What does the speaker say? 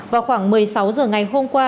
vào khoảng một mươi sáu h ngày hôm qua